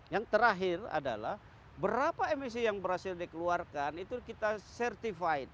yang terakhir adalah berapa emisi yang berhasil dikeluarkan itu kita certified